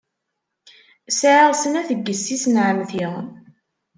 Sɛiɣ snat n yessi-s n ɛemmti.